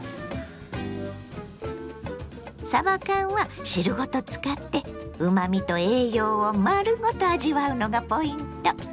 さば缶は汁ごと使ってうまみと栄養を丸ごと味わうのがポイント。